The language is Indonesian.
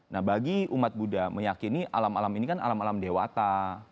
nah bagi umat buddha meyakini alam alam ini kan alam alam dewata